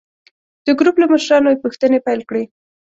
د ګروپ له مشرانو یې پوښتنې پیل کړې.